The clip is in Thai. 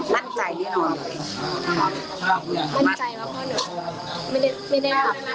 อยากให้สังคมรับรู้ด้วย